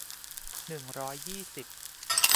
หนึ่งร้อยยี่สิบ